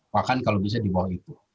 bahkan kalau bisa di bawah itu